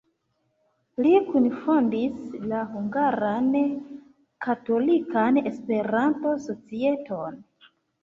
Li kunfondis la Hungaran Katolikan Esperanto-Societon.